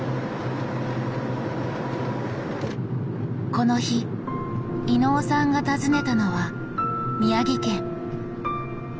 この日伊野尾さんが訪ねたのは宮城県。